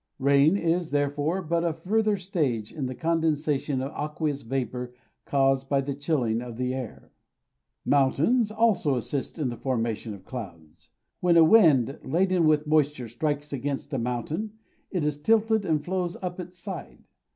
Rain is, therefore, but a further stage in the condensation of aqueous vapour caused by the chilling of the air. Mountains also assist in the formation of clouds. When a wind laden with moisture strikes against a mountain, it is tilted and flows up its side.